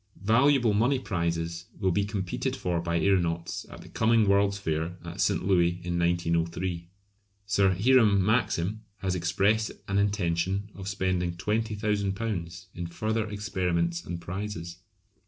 Valuable money prizes will be competed for by aeronauts at the coming World's Fair at St. Louis in 1903. Sir Hiram Maxim has expressed an intention of spending £20,000 in further experiments and prizes.